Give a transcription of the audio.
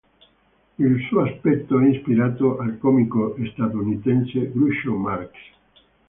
Il suo aspetto è ispirato al comico statunitense Groucho Marx.